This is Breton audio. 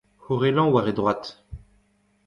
horellañ war e droad